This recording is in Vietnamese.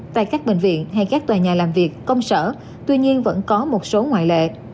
tại các bệnh viện hay các tòa nhà làm việc công sở tuy nhiên vẫn có một số ngoại lệ